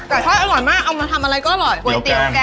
ทอดอร่อยมากเอามาทำอะไรก็อร่อยก๋วยเตี๋ยแก